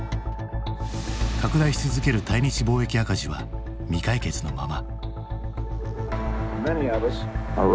拡大し続ける対日貿易赤字は未解決のまま。